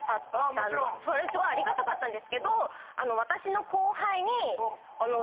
それすごいありがたかったんですが私の。